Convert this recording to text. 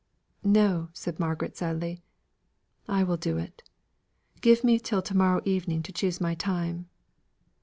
"No," said Margaret, sadly, "I will do it. Give me till to morrow evening to choose my time.